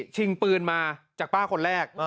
ชิงปืนมาจากป้าคนแรก